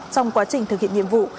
trong quá trình thực hiện nhiệm vụ